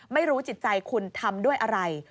ไม่รู้จิตใจคุณทำด้วยอะไร